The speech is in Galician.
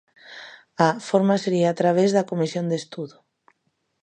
A forma sería través da comisión de estudo.